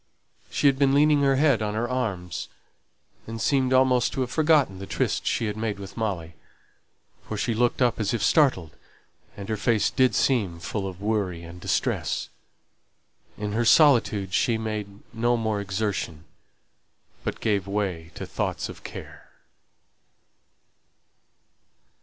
She had been leaning her head on her arms, and seemed almost to have forgotten the tryst she had made with Molly, for she looked up as if startled, and her face did seem full of worry and distress; in her solitude she made no more exertion, but gave way to thoughts of care.